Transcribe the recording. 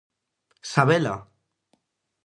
-Sabela!